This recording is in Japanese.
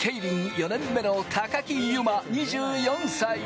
４年目の高木佑真、２４歳。